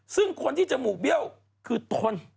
ซึ่งคนที่จมูกเบี้ยวคือตน